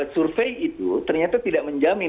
survei itu ternyata tidak menjamin